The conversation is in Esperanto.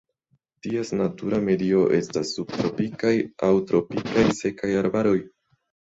Ties natura medio estas subtropikaj aŭ tropikaj sekaj arbaroj.